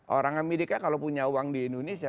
orang amerika kalau punya uang di indonesia